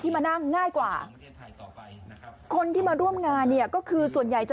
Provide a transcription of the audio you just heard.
มันต้องคือ